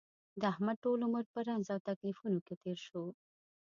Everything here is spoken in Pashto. د احمد ټول عمر په رنځ او تکلیفونو کې تېر شو.